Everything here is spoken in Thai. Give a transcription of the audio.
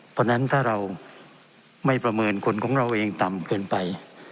เพราะฉะนั้นถ้าเราไม่ประเมินคนของเราเองต่ำเกินไป